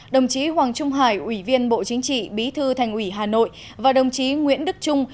đồng chí hoàng trung hải ủy viên bộ chính trị bí thư thành ủy hà nội và đồng chí nguyễn đức trung